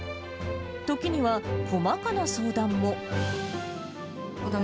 時には、細かな相談も。